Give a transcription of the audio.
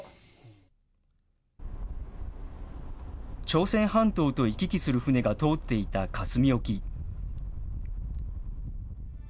朝鮮半島と行き来する船が通っていた香住沖。